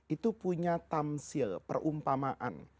itu punya tamsil perumpamaan